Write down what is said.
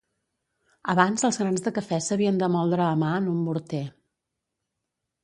Abans els grans de cafè s'havien de moldre a mà en un morter.